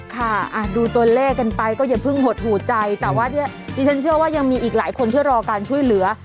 ค่ะดูตัวเลขกันไปก็อย่าเพิ่งหดหูใจแต่ว่าดิฉันเชื่อว่ายังมีอีกหลายคนที่รอการช่วยเหลือ